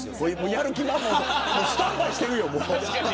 やる気満々でスタンバイしているよ。